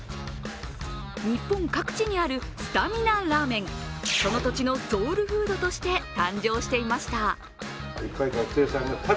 日本各地にあるスタミナラーメン、その土地のソウルフードとして誕生していました。